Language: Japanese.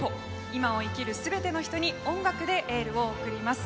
今を生きる全ての人に音楽でエールを送ります。